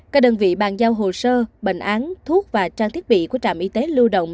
các đơn vị bàn giao hồ sơ bệnh án thuốc và trang thiết bị của trạm y tế lưu động